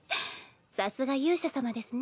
さすが勇者様ですね。